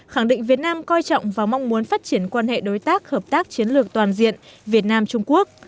khẳng định việt nam coi trọng và mong muốn phát triển quan hệ đối tác hợp tác chiến lược toàn diện việt nam trung quốc